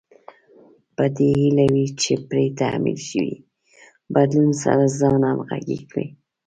په دې هيله وي چې پرې تحمیل شوي بدلون سره ځان همغږی کړي.